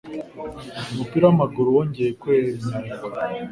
umupira wamaguru wongeye kwemererwa.